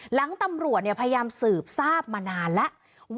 หลังตำรวจพยายามสืบทราบมานานแล้ว